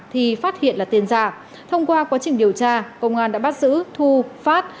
thì phát hiện là tiền giả thông qua quá trình điều tra công an đã bắt giữ thu phát